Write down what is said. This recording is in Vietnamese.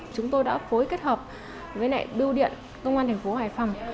chúng tôi đã phối kết hợp với đưu điện công an tp hải phòng